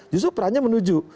justru perannya menuju